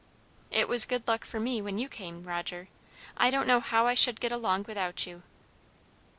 "It was good luck for me when you came, Roger. I don't know how I should get along without you."